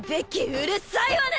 うるさいわね！